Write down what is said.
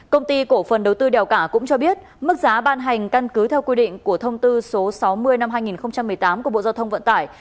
công ty cổ phần đầu tư đèo cả cũng cho biết mức giá ban hành căn cứ theo quy định của thông tư số sáu mươi năm hai nghìn một mươi tám của bộ giao thông vận tải